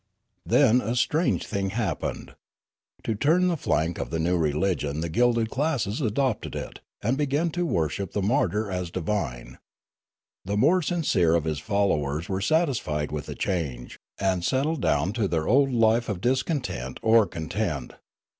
" Then a strange thing happened. To turn the flank of the new religion the gilded classes adopted it, and began to worship the martyr as divine. The more sincere of his followers were satisfied with the change, and settled down to their old life of discontent or con tent.